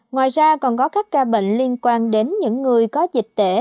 ngoài ra còn có các ca bệnh liên quan đến những người có dịch tễ